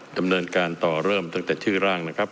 ดำเนินการต่อเริ่มตั้งแต่ชื่อร่างนะครับ